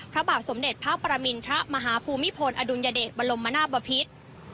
พระบาทสมเด็จพรมินทรมหาภูมิพลอดุญเดชบรมมนาปภิษ